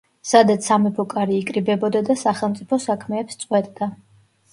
სადაც სამეფო კარი იკრიბებოდა და სახელმწიფო საქმეებს წყვეტდა.